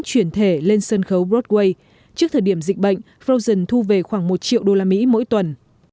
chuyển thể lên sân khấu broadway trước thời điểm dịch bệnh rosen thu về khoảng một triệu usd mỗi tuần